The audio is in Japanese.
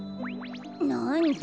なんだ。